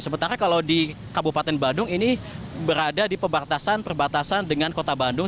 sementara kalau di kabupaten badung ini berada di perbatasan perbatasan dengan kota bandung